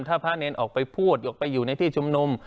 ถ้าพระเนรออกไปพูดออกไปอยู่ในที่ชุมนุม